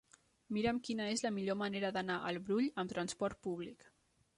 Mira'm quina és la millor manera d'anar al Brull amb trasport públic.